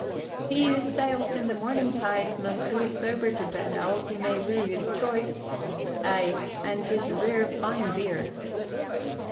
"He who sails on the morning tide must go sober to bed else he may rue his choice. Aye, an' 'tis rare fine beer."